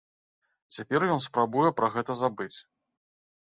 Цяпер ён спрабуе пра гэта забыць.